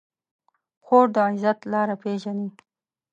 خور د عزت لاره پېژني.